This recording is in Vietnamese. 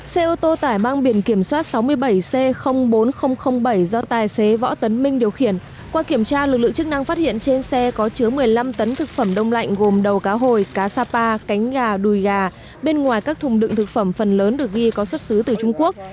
xe ô tô tải mang biển kiểm soát sáu mươi bảy c bốn nghìn bảy do tài xế võ tấn minh điều khiển qua kiểm tra lực lượng chức năng phát hiện trên xe có chứa một mươi năm tấn thực phẩm đông lạnh gồm đầu cá hồi cá sapa cánh gà đùi gà bên ngoài các thùng đựng thực phẩm phần lớn được ghi có xuất xứ từ trung quốc